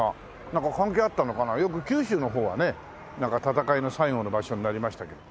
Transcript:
よく九州の方はね戦いの最後の場所になりましたけど。